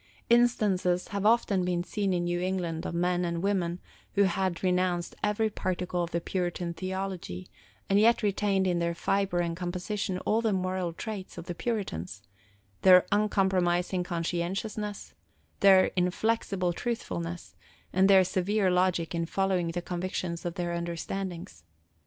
Instances have often been seen in New England of men and women who had renounced every particle of the Puritan theology, and yet retained in their fibre and composition all the moral traits of the Puritans – their uncompromising conscientiousness, their inflexible truthfulness, and their severe logic in following the convictions of their understandings.